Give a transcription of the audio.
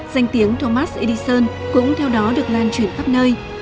danh tiếng thomas edison cũng theo đó được lan truyền khắp nơi